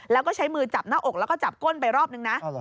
แล้วก็ใช้มือจับหน้าอกแล้วก็จับก้นไปรอบนึงนะ